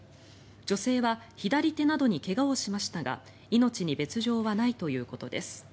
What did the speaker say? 女性は左手などに怪我をしましたが命に別条はないということです。